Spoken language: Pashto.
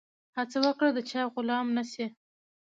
هڅه وکړه د چا غلام نه سي.